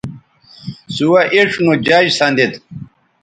سوہ اِڇھ نو جج سندید